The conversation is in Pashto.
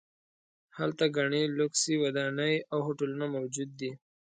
هلته ګڼې لوکسې ودانۍ او هوټلونه موجود دي.